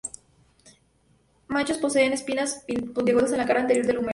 Machos poseen espinas puntiagudas en la cara anterior del húmero.